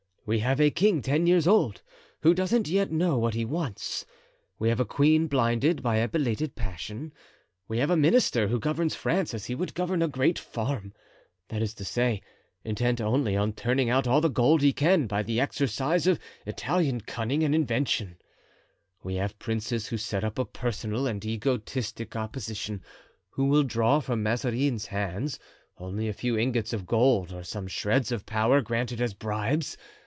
We have a king ten years old, who doesn't yet know what he wants; we have a queen blinded by a belated passion; we have a minister who governs France as he would govern a great farm—that is to say, intent only on turning out all the gold he can by the exercise of Italian cunning and invention; we have princes who set up a personal and egotistic opposition, who will draw from Mazarin's hands only a few ingots of gold or some shreds of power granted as bribes.